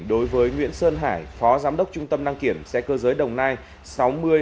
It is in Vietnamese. đối với nguyễn sơn hải phó giám đốc trung tâm đăng kiểm xe cơ giới đồng nai sáu nghìn hai s